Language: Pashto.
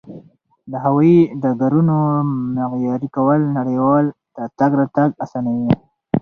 د هوایي ډګرونو معیاري کول نړیوال تګ راتګ اسانوي.